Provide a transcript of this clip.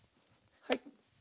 はい。